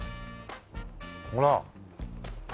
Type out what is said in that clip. ほら。